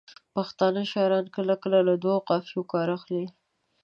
پښتانه شاعران کله کله له دوو قافیو کار اخلي.